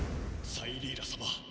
サイリーラ様！